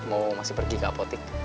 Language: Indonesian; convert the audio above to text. mau masih pergi ke apotik